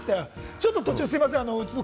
ちょっと途中、すみません。